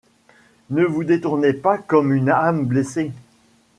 Ne vous détournez pas comme une âme blessée